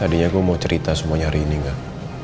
tadinya gue mau cerita semuanya hari ini kan